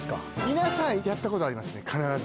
皆さんやったことありますね必ず。